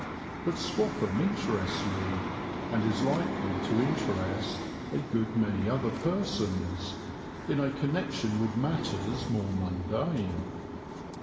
But Swaffham interests me, and is likely to interest a good many other persons, in a connection with matters more mundane.